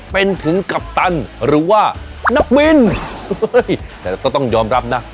เป็นถึงกัปตันหรือว่านักบินแต่ก็ต้องยอมรับนะ